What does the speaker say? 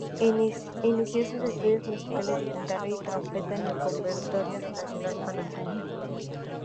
Inició sus estudios musicales de guitarra y trompeta en el conservatorio nacional de Panamá.